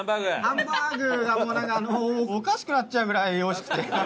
ハンバーグがもうおかしくなっちゃうぐらい美味しくて。